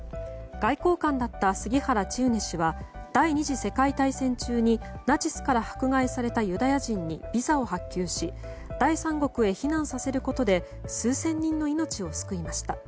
外交官だった杉原千畝氏は第２次世界大戦中にナチスから迫害されたユダヤ人にビザを発給し第三国へ避難させることで数千人の命を救いました。